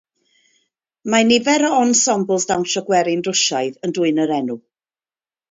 Mae nifer o ensembles dawnsio gwerin Rwsiaidd yn dwyn yr enw.